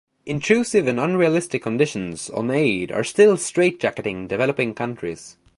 Intrusive and unrealistic conditions on aid are still straight-jacketing developing countries.